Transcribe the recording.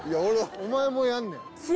お前もやんねん。